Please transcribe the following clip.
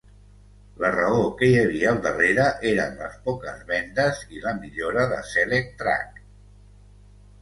La raó que hi havia al darrere eren les poques vendes i la millora de Selec-Trac.